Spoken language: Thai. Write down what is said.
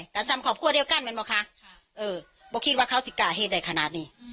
กับสามของพวกเดียวกันเหมือนบ้างค่ะเออบอกคิดว่าเขาสิก่าเห็นได้ขนาดนี้